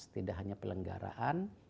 tidak hanya pelenggaraan